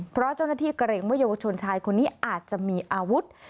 เพราะเจ้าหน้าที่เกรงว่าเยาวชนชายคนนี้อาจจะมีอาวุธ